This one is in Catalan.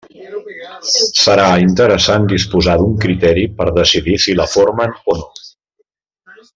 Serà interessant disposar d'un criteri per decidir si la formen o no.